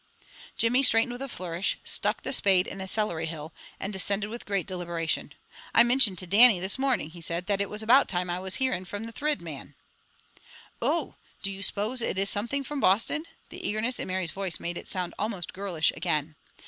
Jimmy straightened with a flourish, stuck the spade in the celery hill, and descended with great deliberation. "I mintioned to Dannie this morning," he said "that it was about time I was hearin' from the Thrid Man." "Oh! Do you suppose it is something from Boston?" the eagerness in Mary's voice made it sound almost girlish again.